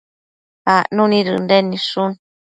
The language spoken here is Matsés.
acnu nid Ënden nidshun